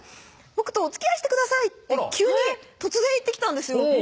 「僕とおつきあいしてください」と急に突然言ってきたんですよ